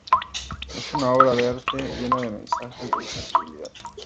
Es una obra de arte, llena de mensaje y sensibilidad.